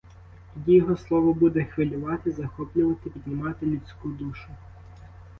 Тоді його слово буде хвилювати, захоплювати, піднімати людську душу.